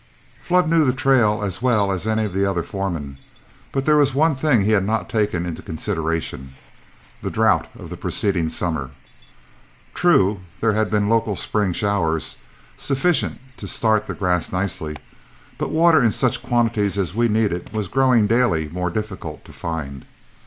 Flood knew the trail as well as any of the other foremen, but there was one thing he had not taken into consideration: the drouth of the preceding summer. True, there had been local spring showers, sufficient to start the grass nicely, but water in such quantities as we needed was growing daily more difficult to find.